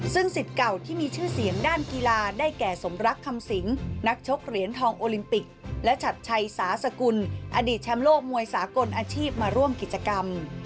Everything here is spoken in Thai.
ซึ่งสิทธิ์เก่าที่มีชื่อเสียงด้านกีฬาได้แก่สมรักคำสิงนักชกเหรียญทองโอลิมปิกและชัดชัยสาสกุลอดีตแชมป์โลกมวยสากลอาชีพมาร่วมกิจกรรม